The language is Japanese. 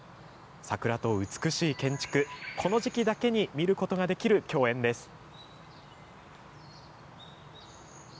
桜と美しい建築、この時期だけに見ることができる競演です。